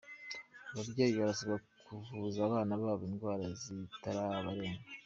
Ababyeyi barasabwa kuvuza abana babo indwara zitarabarenga.